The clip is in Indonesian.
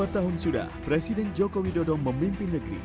dua tahun sudah presiden joko widodo memimpin negeri